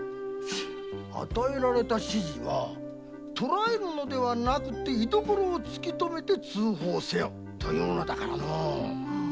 与えられた指示は捕らえるのではなくて「居所を突きとめて通報せよ」と言うのだからのう。